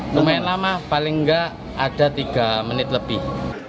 lumayan lama paling enggak ada tiga menit lebih